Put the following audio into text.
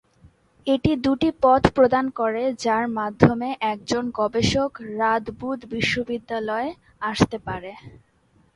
এটি দুটি পথ প্রদান করে যার মাধ্যমে একজন গবেষক রাদবুদ বিশ্ববিদ্যালয়ে আসতে পারে।